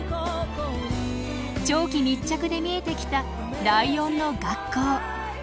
長期密着で見えてきたライオンの学校。